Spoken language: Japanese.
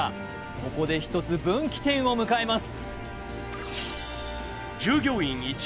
ここでひとつ分岐点を迎えます